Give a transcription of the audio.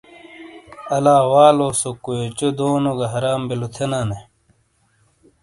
الا والو سو کویوچو دونوں گہ حرام بیلو تھینالے نے ۔